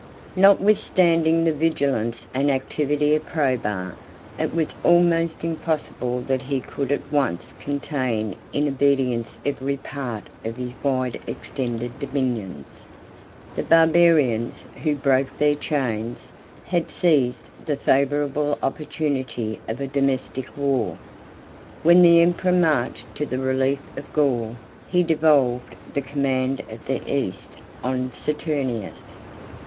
Vet. v. 18. Zosimus, l. i. p. 66.] Notwithstanding the vigilance and activity of Probus, it was almost impossible that he could at once contain in obedience every part of his wide extended dominions. The barbarians, who broke their chains, had seized the favorable opportunity of a domestic war. When the emperor marched to the relief of Gaul, he devolved the command of the East on Saturninus.